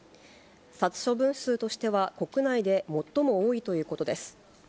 殺処分数としては国内で最も多いということです。